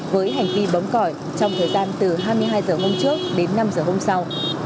với hành vi bóng còi trong thời gian từ hai mươi hai h hôm trước đến năm h hôm sau